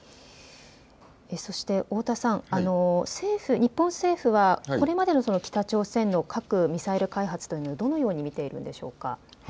そして太田さん、政府、日本政府はこれまでの北朝鮮の核・ミサイル開発というのをどのように見ているんでしょうか。